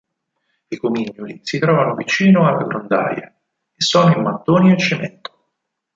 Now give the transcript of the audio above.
I comignoli si trovano vicino alle grondaie e sono in mattoni e cemento.